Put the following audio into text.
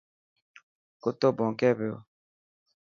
ڪتو ڀونڪي پيو.